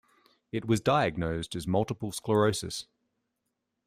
It was diagnosed as multiple sclerosis.